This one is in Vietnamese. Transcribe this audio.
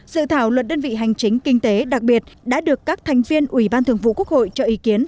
dự thảo luật đơn vị hành chính kinh tế đặc biệt đã được các thành viên ủy ban thường vụ quốc hội cho ý kiến